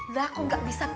lah kok gak bisa